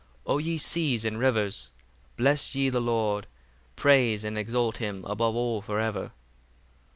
56 O ye seas and rivers, bless ye the Lord: praise and exalt him above all for ever.